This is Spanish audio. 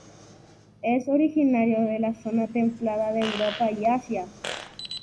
Es originario de la zona templada de Europa y Asia.